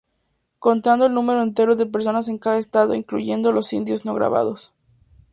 Contando el número entero de personas en cada estado, excluyendo los indios no gravados.